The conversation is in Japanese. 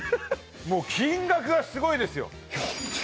もう金額がすごいですよ！